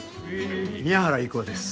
宮原郁夫です。